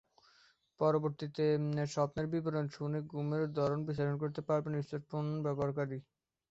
পরবর্তীতে স্বপ্নের বিবরণ শুনে ঘুমের ধরন বিশ্লেষণ করতে পারবেন স্মার্টফোন ব্যবহারকারী।